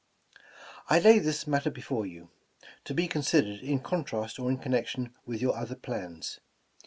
'' I lay this matter before 3^ou, to be considered in con trast or in connection with .your other plans.